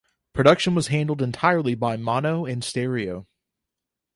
Production was handled entirely by Mono En Stereo.